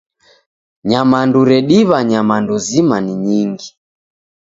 Nyamandu rediw'a nyamandu zima ni nyingi.